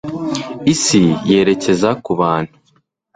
isi yerekeza ku bantu